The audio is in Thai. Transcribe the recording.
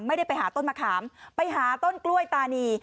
ไม่ได้ไปหาต้นมะขามไปหาต้นกล้วยตานี